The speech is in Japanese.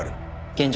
現状